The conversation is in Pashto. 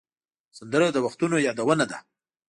سندره د وختونو یادونه ده